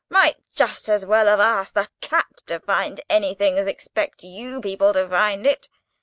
Might just as well ask the cat to find anything as expect you people to find it."